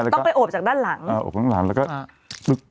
ต้องไปโอบจากด้านหลังอ่าโอบข้างหลังแล้วก็อ่า